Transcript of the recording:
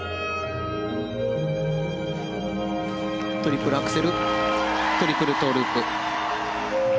トリプルアクセルトリプルトウループ。